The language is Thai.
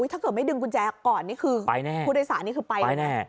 ถ้าเกิดไม่ดึงกุญแจก่อนนี่คือไปแน่ผู้โดยสารนี่คือไปแน่